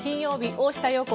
「大下容子